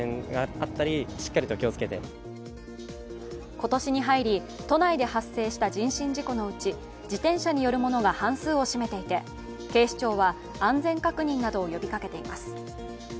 今年に入り都内で発生した人身事故のうち自転車によるものが半数を占めていて警視庁は安全確認などを呼びかけています。